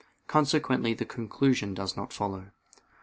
Consequently the conclusion does not follow.